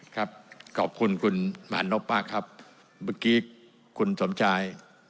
ครับขอบคุณคุณหมานนกป้าครับเมื่อกี้คุณสมชาย